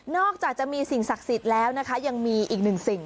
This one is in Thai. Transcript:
จากจะมีสิ่งศักดิ์สิทธิ์แล้วนะคะยังมีอีกหนึ่งสิ่ง